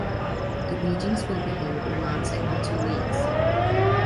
The meetings will be held once every two weeks.